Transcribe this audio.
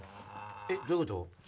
えっどういうこと？